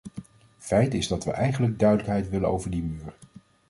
Feit is dat we eigenlijk duidelijkheid willen over die muur.